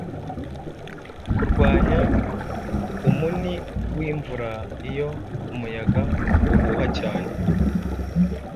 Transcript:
Kurwanya Umuni Wimvura iyo umuyaga uhuha cyane,